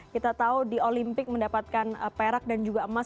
kita tahu di olimpik mendapatkan perak dan juga emas